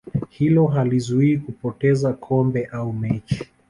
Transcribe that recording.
hilo halizuii kupoteza kombe au mechi